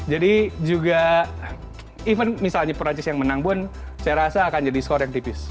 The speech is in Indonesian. jadi juga even misalnya perancis yang menang pun saya rasa akan jadi skor yang tipis